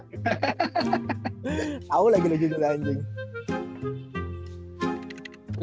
tau lagi lagi lagu anjing